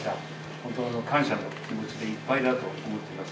本当に感謝の気持ちでいっぱいだと思ってます。